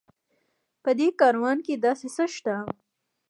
په دې کاروان کې داسې څه شته.